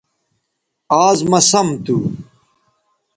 آز مہ سم تھو